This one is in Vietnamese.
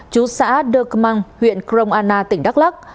chú xã đơ cơ măng huyện crom anna tỉnh đắk lắc